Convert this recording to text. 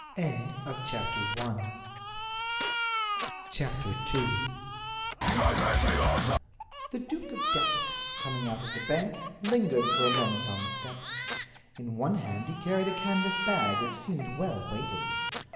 II The Duke of Datchet, coming out of the bank, lingered for a moment on the steps. In one hand he carried a canvas bag which seemed well weighted.